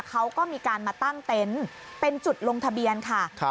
เขาก็มีการมาตั้งเต็นต์เป็นจุดลงทะเบียนค่ะ